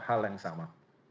hal yang sama